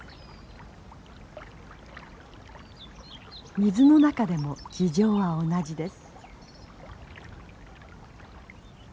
水の中でも事情は同じです。